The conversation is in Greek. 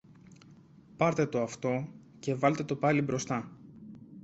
πάρτε το αυτό και βάλτε το πάλι μπροστά